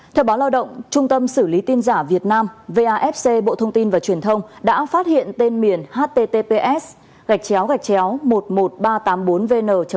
theo báo lao động trung tâm xử lý tin giả việt nam vafc bộ thông tin và truyền thông đã phát hiện tên miền https một mươi một nghìn ba trăm tám mươi bốn v chín